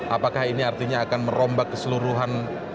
apakah ini artinya akan merombak keseluruhan